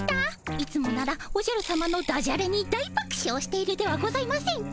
いつもならおじゃるさまのダジャレに大ばくしょうしているではございませんか。